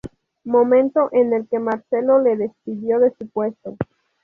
Momento en el que Marcelo le despidió de su puesto.